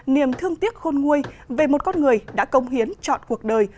niềm thương tiếc khôn nguôi về một con người đã công hiến chọn cuộc đời